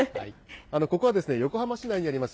ここは横浜市内にあります